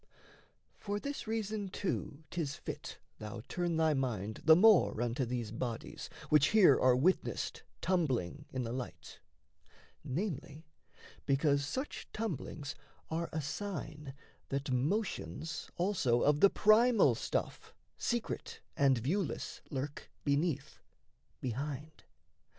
For this reason too 'tis fit Thou turn thy mind the more unto these bodies Which here are witnessed tumbling in the light: Namely, because such tumblings are a sign That motions also of the primal stuff Secret and viewless lurk beneath, behind.